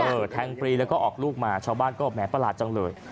แทงปรีแล้วก็ออกลูกมาชาวบ้านก็แหมประหลาดจังเลย